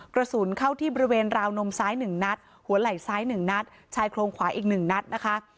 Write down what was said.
กระสุนเข้าที่บริเวณราวนมซ้าย๑นัดหัวไหล่ซ้าย๑นัดชายโครงขวาอีก๑นัดนะคะ